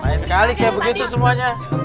lain kali kayak begitu semuanya